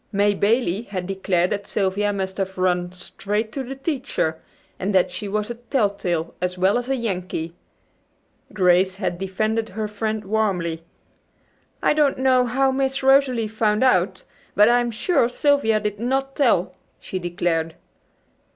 May Bailey had declared that Sylvia must have "run straight to the teacher," and that she was a telltale as well as a "Yankee." Grace had defended her friend warmly. "I don't know how Miss Rosalie found out, but I'm sure Sylvia did not tell," she declared.